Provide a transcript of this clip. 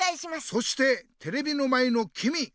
そしてテレビの前のきみ！